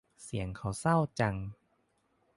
เสียงเขาเศร้าจัง